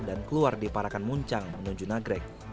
dan keluar di parakan muncang menuju nagrek